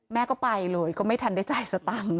แม่ก็ไปเลยก็ไม่ทันได้จ่ายสตังค์